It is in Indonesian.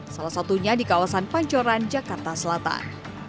salah satunya di kawasan pancoran jakarta selatan